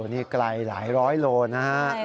นี่ไกลหลายร้อยโลนะฮะ